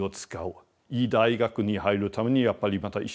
いい大学に入るためにやっぱりまた一生懸命勉強する。